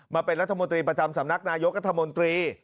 มาเป็นรัฐมนตรีประจำสำนักนายกรัฐมนตรี